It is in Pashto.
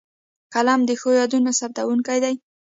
قلم د ښو یادونو ثبتوونکی دی